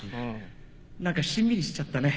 何かしんみりしちゃったね。